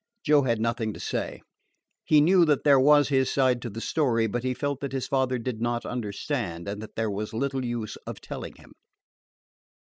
Joe had nothing to say. He knew that there was his side to the story, but he felt that his father did not understand, and that there was little use of telling him.